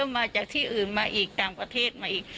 มาจากที่อื่นมาอีกต่างประเทศมาอีก